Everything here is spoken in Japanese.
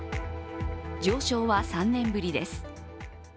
上昇は３年ぶりです。